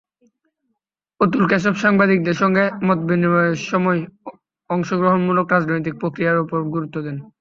অতুল কেশপ সাংবাদিকদের সঙ্গে মতবিনিময়ের সময় অংশগ্রহণমূলক রাজনৈতিক প্রক্রিয়ার ওপর গুরুত্ব দেন।